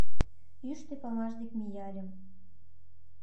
Йӱштӧ памаш дек мияльым